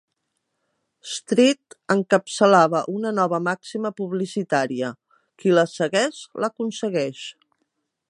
"Street" encapçalava una nova màxima publicitària: "Qui la segueix l'aconsegueix".